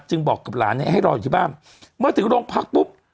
บอกกับหลานเนี่ยให้รออยู่ที่บ้านเมื่อถึงโรงพักปุ๊บ